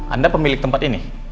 anda pemilik tempat ini